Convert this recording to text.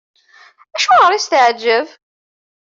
Acuɣer i s-teɛǧeb?